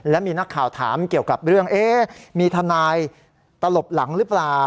และมีนักข่าวถามเกี่ยวกับเรื่องเอ๊ะมีทนายตลบหลังหรือเปล่า